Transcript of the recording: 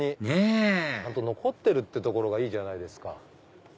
ねぇちゃんと残ってるってところがいいじゃないですか。